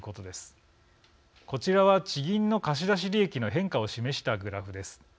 こちらは地銀の貸し出し利益の変化を示したグラフです。